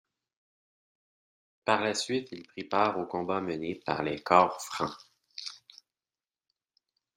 Par la suite il prit part aux combats menés par les Corps francs.